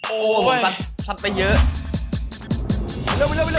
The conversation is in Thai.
โอ้โหชัดไปเยอะ